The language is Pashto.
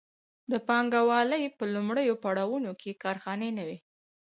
د پانګوالۍ په لومړیو پړاوونو کې کارخانې نه وې.